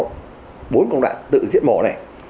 nhìn kỹ nó có bốn công đoạn tự diễn mổ này